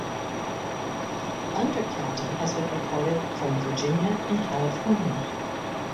Undercounting has been reported from Virginia and California.